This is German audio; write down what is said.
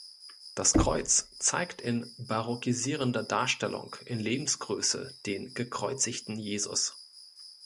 Das Kreuz zeigt in barockisierender Darstellung in Lebensgröße den gekreuzigten Jesus.